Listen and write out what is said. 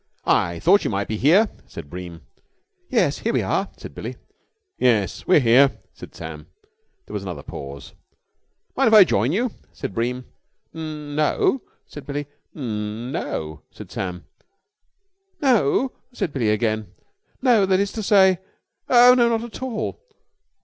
"I thought you might be here," said Bream. "Yes, here we are," said Billie. "Yes, we're here," said Sam. There was another pause. "Mind if I join you?" said Bream. "N no," said Billie. "N no," said Sam. "No," said Billie again. "No ... that is to say ... oh no, not at all."